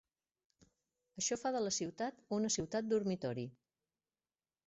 Això fa de la ciutat una ciutat dormitori.